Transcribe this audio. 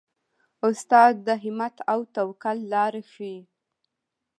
استاد د همت او توکل لاره ښيي.